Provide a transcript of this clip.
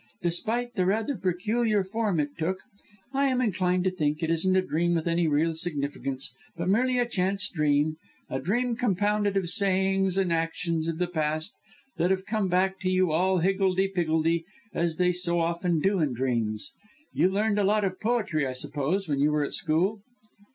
Despite the rather peculiar form it took, I am inclined to think it isn't a dream with any real significance but merely a chance dream a dream compounded of sayings and actions of the past that have come back to you all higgledy piggledy, as they so often do in dreams. You learned a lot of poetry I suppose when you were at school?"